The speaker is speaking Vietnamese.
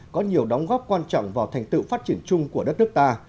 có nhiều đóng góp quan trọng vào thành tựu phát triển chung của đất nước ta